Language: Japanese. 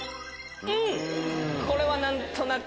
これは何となく。